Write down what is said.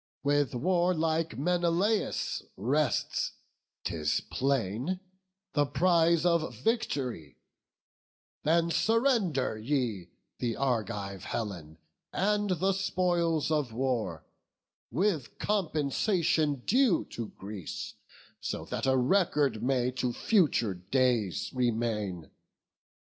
With warlike Menelaus rests, 'tis plain, The prize of vict'ry: then surrender ye The Argive Helen and the spoils of war, With compensation due to Greece, that so A record may to future days remain."